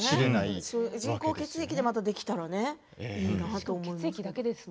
人工血液もできたらいいなと思いますね。